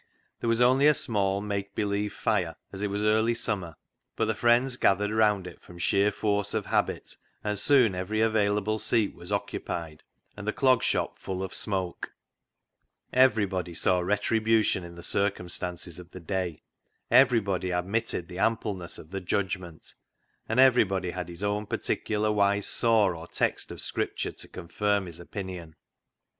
There was only a small, make believe fire, as it was early summer, but the friends gathered round it from sheer force of habit, and soon every available seat was occupied, and the Clog Shop full of smoke. Everybody saw retribution in the circumstances of the day ; everybody ad mitted the ampleness of the "judgment"; and everybody had his own particular wise saw or text of Scripture to confirm his opinion.